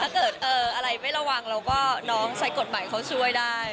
เกิดอะไรไม่ระวังเราก็น้องใช้กฎหมายเขาช่วยได้